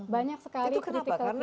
banyak sekali critical point nya